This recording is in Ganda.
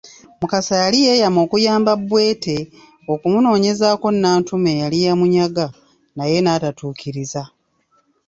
Mukasa yali yeeyama okuyamba Bwete okumunoonyezaako Nantume eyali yamunyaga naye n’atatuukiriza.